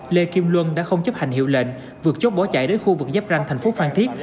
lê kim luân đã không chấp hành hiệu lệnh vượt chốt bỏ chạy đến khu vực giáp ranh thành phố phan thiết